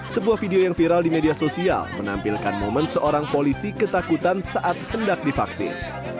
sebuah video yang viral di media sosial menampilkan momen seorang polisi ketakutan saat hendak divaksin